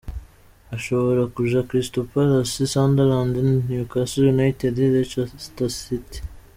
Ashobora kuja: Crystal Palace, Sunderland, Newcastle United, Leicester City.